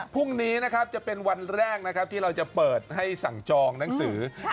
พรุ่งนี้จะเป็นวันแรกที่เราจะเปิดให้สั่งจองหนังสือ